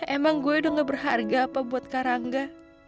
emang gue udah gak berharga apa buat karangga